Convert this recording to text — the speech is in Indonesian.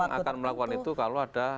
tapi biar bank akan melakukan itu kalau ada